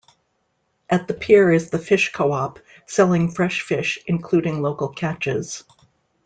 At the pier is the fish co-op, selling fresh fish, including local catches.